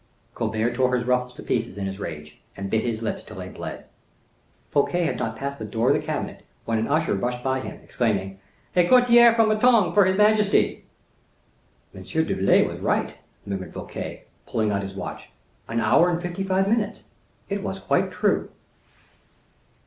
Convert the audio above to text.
Colbert tore his ruffles to pieces in his rage, and bit his lips till they bled. Fouquet had not passed the door of the cabinet, when an usher pushing by him, exclaimed: "A courier from Bretagne for his majesty." "M. d'Herblay was right," murmured Fouquet, pulling out his watch; "an hour and fifty five minutes. It was quite true."